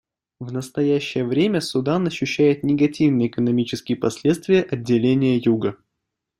В настоящее время Судан ощущает негативные экономические последствия отделения Юга.